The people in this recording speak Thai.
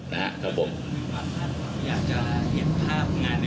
นะครับครับผม